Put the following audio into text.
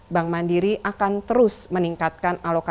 bank mandiri akan terus meningkatkan alokasi penyusul akar